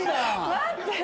待って。